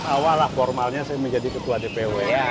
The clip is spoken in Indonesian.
dua ribu enam belas awal lah formalnya saya menjadi ketua dpw